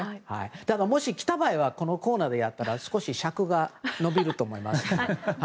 ただ、来た場合はこのコーナーでやったら少し尺が延びると思います。